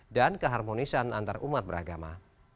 dan keharmonisan antar umat beragama